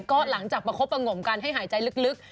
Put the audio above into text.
ก็หลังจากประคบประงมกันให้หายใจลึก